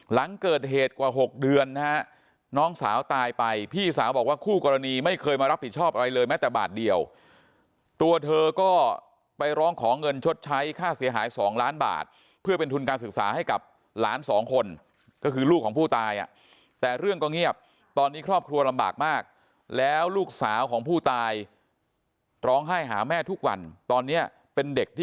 หลังเกิดเหตุกว่า๖เดือนนะฮะน้องสาวตายไปพี่สาวบอกว่าคู่กรณีไม่เคยมารับผิดชอบอะไรเลยแม้แต่บาทเดียวตัวเธอก็ไปร้องขอเงินชดใช้ค่าเสียหาย๒ล้านบาทเพื่อเป็นทุนการศึกษาให้กับหลานสองคนก็คือลูกของผู้ตายอ่ะแต่เรื่องก็เงียบตอนนี้ครอบครัวลำบากมากแล้วลูกสาวของผู้ตายร้องไห้หาแม่ทุกวันตอนนี้เป็นเด็กที่